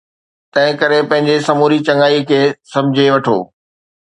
تنهن ڪري پنهنجي سموري چڱائي کي سمجهي وٺو